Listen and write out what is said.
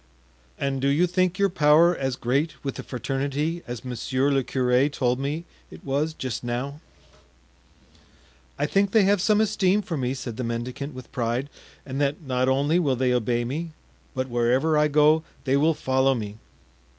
"And do you think your power as great with the fraternity as monsieur le curé told me it was just now?" "I think they have some esteem for me," said the mendicant with pride, "and that not only will they obey me, but wherever I go they will follow me."